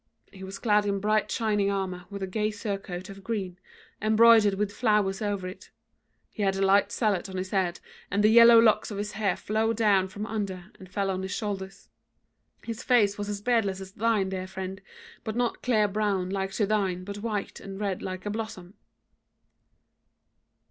He was clad in bright shining armour with a gay surcoat of green, embroidered with flowers over it; he had a light sallet on his head, and the yellow locks of his hair flowed down from under, and fell on his shoulders: his face was as beardless as thine, dear friend, but not clear brown like to thine but white and red like a blossom."